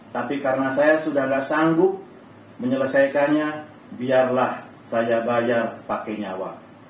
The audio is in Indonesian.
tapi karena saya sudah tidak sanggup menyelesaikannya biarlah saya bayar pakai nyawa